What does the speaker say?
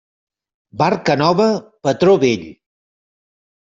Barca nova, patró vell.